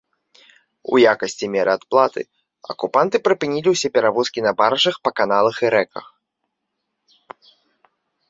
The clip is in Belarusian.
У якасці меры адплаты акупанты прыпынілі ўсе перавозкі на баржах па каналах і рэках.